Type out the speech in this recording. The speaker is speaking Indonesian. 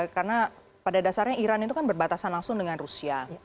karena pada dasarnya iran itu kan berbatasan langsung dengan rusia